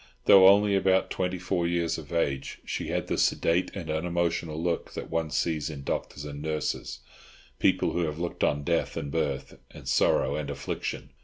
Though only about twenty four years of age she had the sedate and unemotional look that one sees in doctors and nurses—people who have looked on death and birth, and sorrow and affliction.